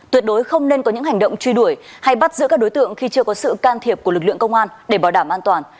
tuyệt đối không nên có những hành động truy đuổi hay bắt giữ các đối tượng khi chưa có sự can thiệp của lực lượng công an để bảo đảm an toàn